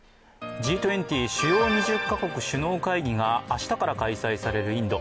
Ｇ２０＝主要２０か国首脳会議が明日から開催されるインド。